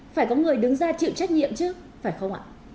phải có người đứng ra chịu trách nhiệm chứ phải không ạ